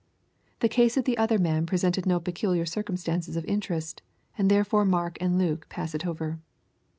The case of the other man presented no peculiar circumstances of interest, and therefore Mark and Luke pass it over.